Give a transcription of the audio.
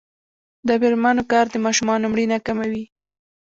د میرمنو کار د ماشومانو مړینه کموي.